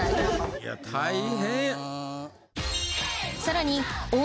いや大変。